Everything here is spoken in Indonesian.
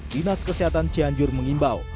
dinas kesehatan cianjur mengimbau